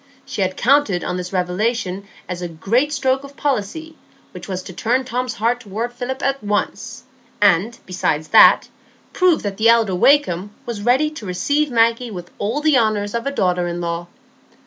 She had counted on this revelation as a great stroke of policy, which was to turn Tom's heart toward Philip at once, and, besides that, prove that the elder Wakem was ready to receive Maggie with all the honours of a daughter in law.